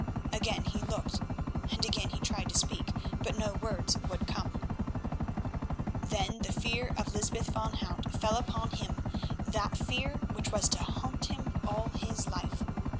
Again he looked and again he tried to speak, but no words would come. Then the fear of Lysbeth van Hout fell upon him, that fear which was to haunt him all his life.